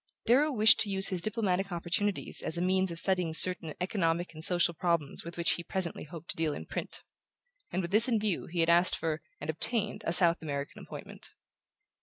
Darrow wished to use his diplomatic opportunities as a means of studying certain economic and social problems with which he presently hoped to deal in print; and with this in view he had asked for, and obtained, a South American appointment.